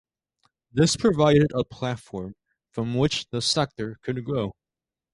This provided a platform from which the sector could grow.